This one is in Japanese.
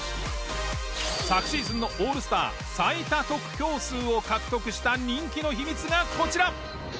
昨シーズンのオールスター最多得票数を獲得した人気の秘密がこちら。